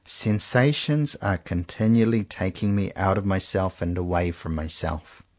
Sensations are continually taking me out of myself and away from myself.